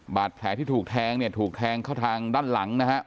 บาดแผลที่ถูกแทงถูกแทงกระทั่งด้านหลัง